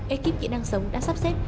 ekip kỹ năng sống đã sắp xếp